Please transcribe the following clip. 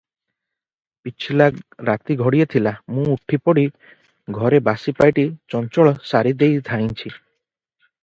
ପିଛିଲା ରାତି ଘଡ଼ିଏ ଥିଲା, ମୁଁ ଉଠି ପଡ଼ି ଘରେ ବାସିପାଇଟି ଚଞ୍ଚଳ ସାରିଦେଇ ଧାଇଁଛି ।